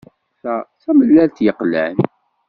Ta d tamellalt yeqlan.